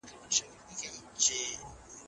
د ډاکټرانو کمبود چيري ډېر دی؟